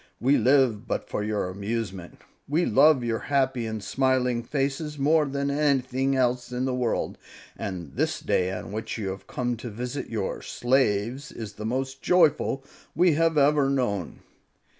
We live but for your amusement; we love your happy and smiling faces more than anything else in the world, and this day on which you have come to visit your slaves is the most joyful we have ever known."